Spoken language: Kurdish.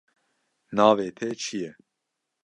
navê te çi ye